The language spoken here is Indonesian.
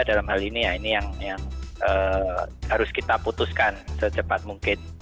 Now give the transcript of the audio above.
dalam hal ini ya ini yang harus kita putuskan secepat mungkin